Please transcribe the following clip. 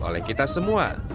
oleh kita semua